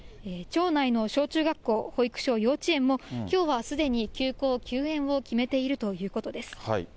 町内の小中学校、保育所、幼稚園もきょうはすでに休校、休園を決めているということです。